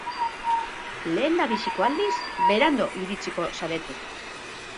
Lehendabiziko aldiz berandu iritsiko zarete.